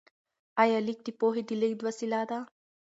آیا لیک د پوهې د لیږد وسیله ده؟